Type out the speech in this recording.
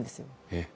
えっ。